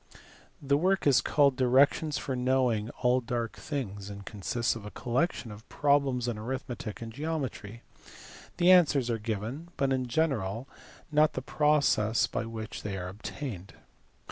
The work is called "directions for knowing all dark things," and consists of a collection of problems in arithmetic and geometry ; the answers are given, but in general not the processes by which they are obtained.